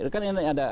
kan ini ada